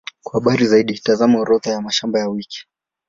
Kwa habari zaidi, tazama Orodha ya mashamba ya wiki.